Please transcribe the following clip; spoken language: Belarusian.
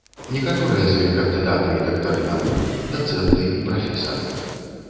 Некаторыя з іх кандыдаты і дактары навук, дацэнты і прафесары.